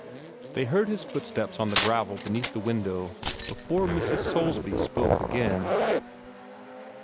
They heard his footsteps on the gravel beneath the window before Mrs. Soulsby spoke again.